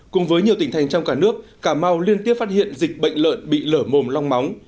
cùng với nhiều tỉnh thành trong cả nước cà mau liên tiếp phát hiện dịch bệnh lợn bị lở mồm long móng